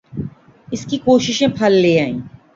اس کی کوششیں پھل لے آئیں۔